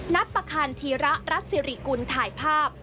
ประคันธีระรัฐสิริกุลถ่ายภาพ